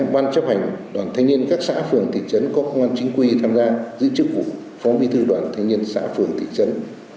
ban chấp hành đoàn thanh niên các xã phường thị trấn có công an chính quy tham gia giữ chức vụ phóng bi thư đoàn thanh niên xã phường thị trấn